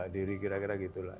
diri kira kira gitu lah